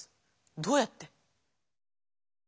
どうやって？